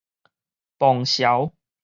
磅潲